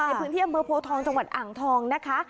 ในพื้นที่อำเภอโพทองจังหวัดอ่างทองนะคะ